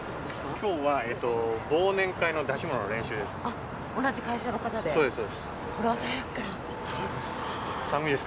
きょうは忘年会の出し物の練習です。